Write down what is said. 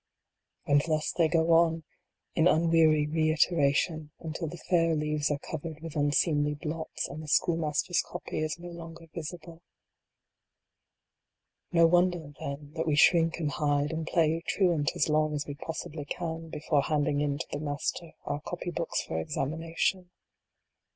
And thus they go on, in unweary reiteration, until the fair leaves are covered with unseemly blots, and the Schoolmaster s copy is no longer visible. No wonder, then, that we shrink and hide, and play truant as long as we possibly can, before handing in to the Master our copy books for examination.